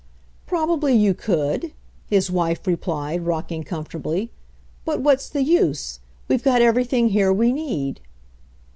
"Probably you could," his wife replied, rock ing comfortably. "But what's the use? We've got everything here we need."